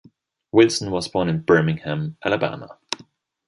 Wilson was born in Birmingham, Alabama.